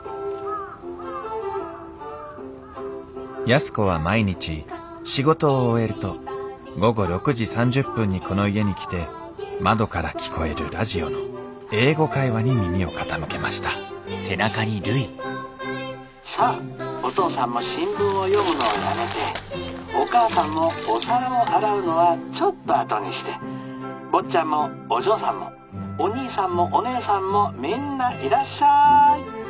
安子は毎日仕事を終えると午後６時３０分にこの家に来て窓から聴こえるラジオの「英語会話」に耳を傾けました「さあお父さんも新聞を読むのをやめてお母さんもお皿を洗うのはちょっと後にして坊ちゃんもお嬢さんもお兄さんもお姉さんもみんないらっしゃい。